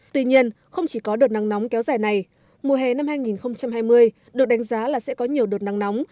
tuy nhiên không chỉ có đợt nắng nóng kéo dài này mùa hè năm hai nghìn hai mươi được đánh giá là sẽ có nhiều đợt nắng nóng